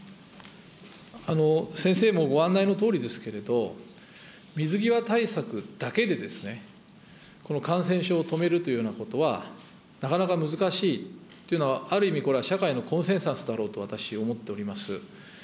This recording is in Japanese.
先生もご案内のとおりでございますけれども、水際対策だけでこの感染症を止めるというようなことは、なかなか難しいというのは、ある意味これは社会のコンセンサスだろうと私、思っております。